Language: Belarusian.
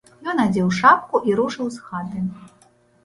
Ён адзеў шапку і рушыў з хаты.